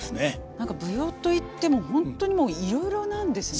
何か舞踊といっても本当にもういろいろなんですね。